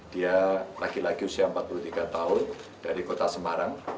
dia laki laki usia empat puluh tiga tahun dari kota semarang